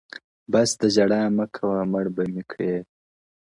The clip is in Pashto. بس ده ژړا مه كوه مړ به مي كړې.